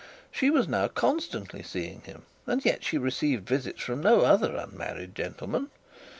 She was now constantly seeing him, and yet she received visits from no other unmarried gentleman.